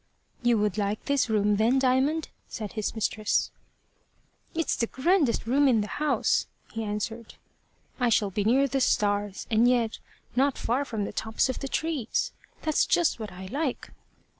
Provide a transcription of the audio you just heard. "You would like this room, then, Diamond?" said his mistress. "It's the grandest room in the house," he answered. "I shall be near the stars, and yet not far from the tops of the trees. That's just what I like."